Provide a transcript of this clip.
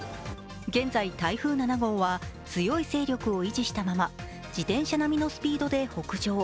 現在、台風７号は強い勢力を維持したまま自転車並みのスピードで北上。